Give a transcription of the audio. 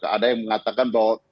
ada yang mengatakan bahwa